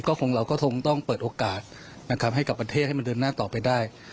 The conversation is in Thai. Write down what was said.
ก็คงเราก็คงต้องเปิดโอกาสนะครับให้กับประเทศให้มันเดินหน้าต่อไปได้